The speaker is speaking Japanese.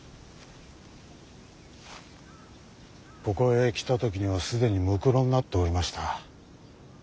ここへ来た時には既にむくろになっておりました。